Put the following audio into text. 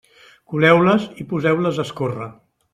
Coleu-les i poseu-les a escórrer.